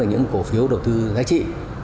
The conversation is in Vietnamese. những cổ phiếu đầu tư giá trị